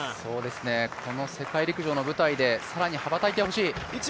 この世界陸上の舞台で、更に羽ばたいてほしい。